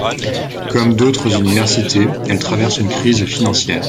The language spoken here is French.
Comme d'autres universités, elle traverse une crise financière.